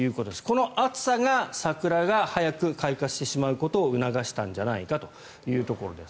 この暑さが桜が早く開花してしまうことを促したんじゃないかというところです。